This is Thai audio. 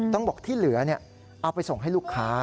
ต้องบอกที่เหลือเอาไปส่งให้ลูกค้า